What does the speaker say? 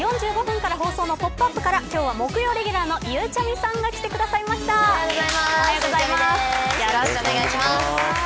お昼１１時４５分から放送のポップＵＰ！から今日は木曜レギュラーのゆうちゃみさんがおはようございます。